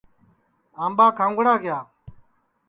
آمٻا کھاؤنگڑا کِیا